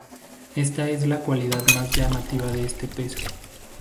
Esta es la cualidad más llamativa de este pez.